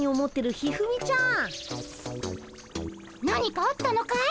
何かあったのかい？